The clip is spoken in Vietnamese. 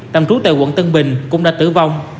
tạm trú tại quận tân bình cũng đã tử vong